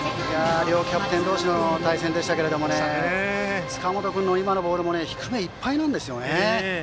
両キャプテン同士の対戦でしたけど塚本君の今のボールも低めいっぱいなんですよね。